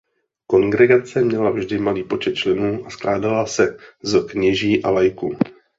Kongregace měla vždy malý počet členů a skládala se z kněží a laiků.